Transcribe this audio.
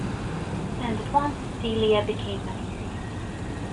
And at once Celia became uneasy.